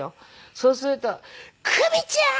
そうすると「クミちゃん！」